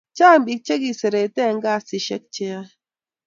Chang pik che kiserete en kasishek che yoe